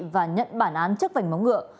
và nhận bản án chất vảnh móng ngựa